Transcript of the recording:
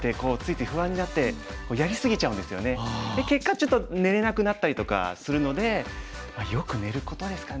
で結果ちょっと寝れなくなったりとかするのでよく寝ることですかね。